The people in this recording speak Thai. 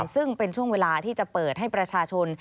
ซึ่งเป็นช่วงเวลาที่จะเปิดให้ประชาชน